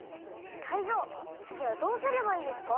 タイゾウつぎはどうすればいいですか？